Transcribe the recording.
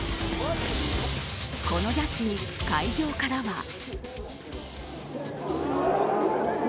このジャッジに会場からは。